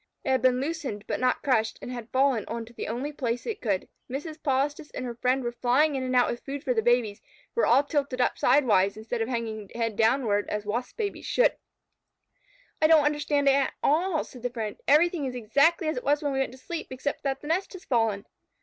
It had been loosened but not crushed, and had fallen on to the only place it could. Mrs. Polistes and her friend were flying in and out with food for the babies, who were now all tilted up sidewise, instead of hanging head downward, as Wasp babies should. "I don't understand it at all," said the friend. "Everything is exactly as it was when we went to sleep, except that the nest has fallen."